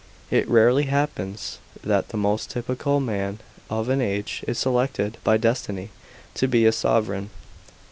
It rarely happens that the most typical man of an age is selected by destiny to be a sovran.